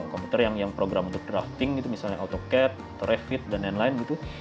komputer yang program untuk drafting gitu misalnya autocad atau revit dan lain lain